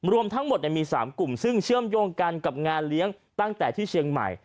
รวมทั้งหมดมี๓กลุ่มซึ่งเชื่อมโยงกันกับงานเลี้ยงตั้งแต่ที่เชียงใหม่